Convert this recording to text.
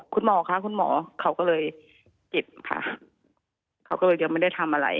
คุณหมอค่ะคุณหมอเขาก็เลยเจ็บค่ะเขาก็เลยยังไม่ได้ทำอะไร